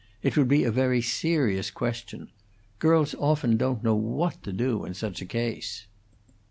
It would be a very serious question. Girls often don't know what to do in such a case."